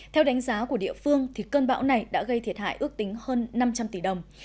theo đánh giá của địa phương cơn bão này đã gây thiệt hại ước tính hơn năm trăm linh tỷ đồng